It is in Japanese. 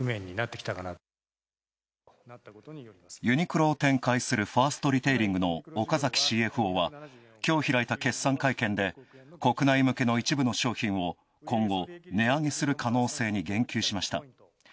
ユニクロを展開するファーストリテイリングの岡崎ＣＦＯは、きょう開いた決算会見で国内向けの一部の商品を今後、値上げする可能性に言及しました。